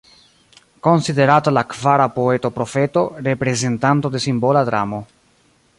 Konsiderata la kvara poeto-profeto, reprezentanto de simbola dramo.